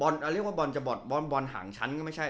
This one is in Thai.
เรียกว่าบอลจะบอลบอลห่างชั้นก็ไม่ใช่